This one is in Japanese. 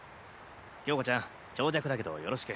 響子ちゃん長尺だけどよろしく。